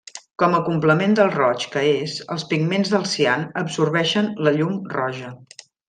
Com a complement del roig que és, els pigments del cian absorbeixen la llum roja.